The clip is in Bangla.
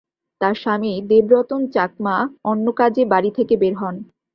তাঁর স্বামী দেব রতন চাকমা অন্য কাজে বাড়ি থেকে বের হন।